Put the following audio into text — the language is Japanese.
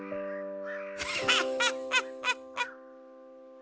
ハハハハハ！